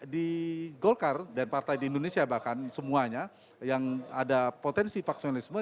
di golkar dan partai di indonesia bahkan semuanya yang ada potensi faksionalisme